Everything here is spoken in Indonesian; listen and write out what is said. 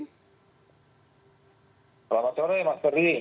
selamat sore mas ferdi